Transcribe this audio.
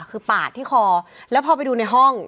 คือปาดที่คอแล้วพอไปดูในห้อง